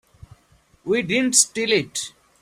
We didn't steal it.